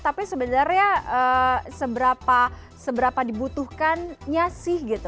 tapi sebenarnya seberapa dibutuhkannya sih gitu